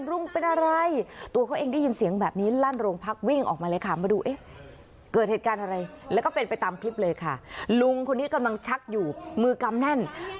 ลุงเป็นอะไรตัวเขาเองได้ยินเสียงแบบนี้ลั่นโรงพักวิ่งออกมาเลยค่ะ